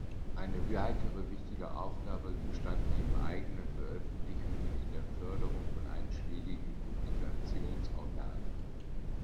Eine weitere wichtige Aufgabe bestand neben eigenen Veröffentlichungen in der Förderung von einschlägigen Publikationsorganen.